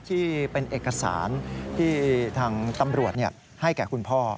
ที่เป็นเอกสารที่ทางตำรวจให้แก่คุณพ่อ